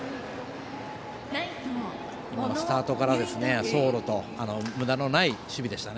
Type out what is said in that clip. スタートから、走路とむだのない守備でした。